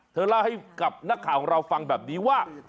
เธอเล่าให้กับนักข่าวของเราฟังแบบนี้ว่า